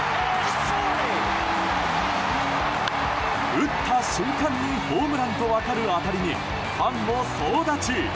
打った瞬間にホームランと分かる当たりにファンも総立ち。